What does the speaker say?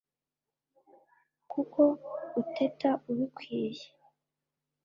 Kuko uteta ubikwiye,